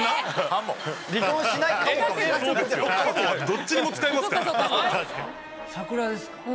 どっちにも使えますから。